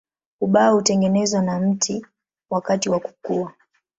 Ubao hutengenezwa na mti wakati wa kukua.